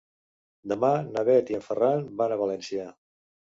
Demà na Bet i en Ferran van a València.